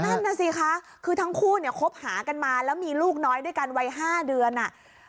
นั่นน่ะสิคะคือทั้งคู่เนี่ยคบหากันมาแล้วมีลูกน้อยด้วยกันวัย๕เดือนอ่ะ